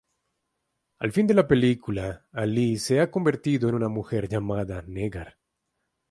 Al final de la película, Ali se ha convertido en una mujer llamada Negar.